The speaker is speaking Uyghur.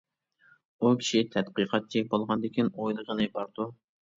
ئۇ كىشى تەتقىقاتچى بولغاندىكىن، ئويلىغىنى باردۇ.